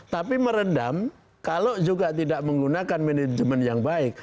tapi meredam kalau juga tidak menggunakan manajemen yang baik